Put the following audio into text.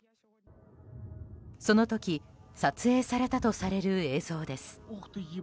その時撮影されたとされる映像です。